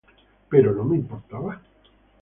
Pero no me importaba.